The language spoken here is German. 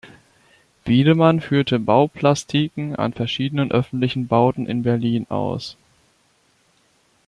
Widemann führte Bauplastiken an verschiedenen öffentlichen Bauten in Berlin aus.